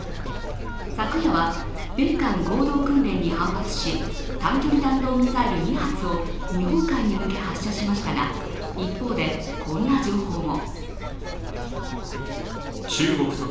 昨夜は、米韓合同訓練に反発し、短距離弾道ミサイル２発を日本海に向け発射しましたが、一方で、こんな情報も。